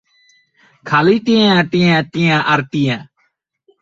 খালি টাকা, টাকা, টাকা আর টাকা।